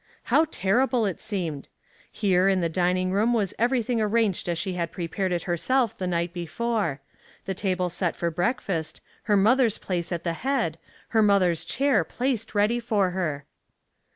How terrible it seemed ! Here in the dining room was every thing arranged as she had prepared it herself the night before — the table set for breakfast, her mother's place at the head, her mother's chair placed ready for her.